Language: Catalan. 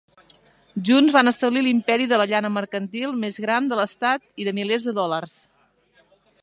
Junts van establir l'imperi de llana mercantil més gran de l'estat i de milers de dòlars.